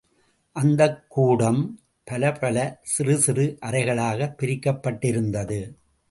அந்தக் கூடம் பலப்பல சிறுசிறு அறைகளாகப் பிரிக்கப்பட்டிருந்தது.